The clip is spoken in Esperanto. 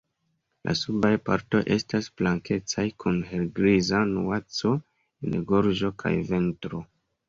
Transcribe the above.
La subaj partoj estas blankecaj kun helgriza nuanco en gorĝo kaj ventro.